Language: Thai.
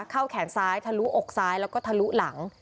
แขนซ้ายทะลุอกซ้ายแล้วก็ทะลุหลัง